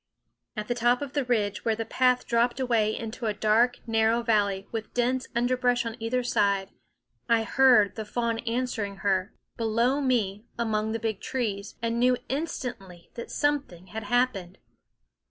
At the top of the ridge, where the path dropped away into a dark narrow valley with dense underbrush on either side, I heard the fawn answering her below me among the big trees, and knew instantly that something had happened.